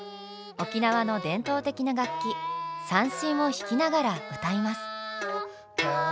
沖縄の伝統的な楽器三線を弾きながら歌います。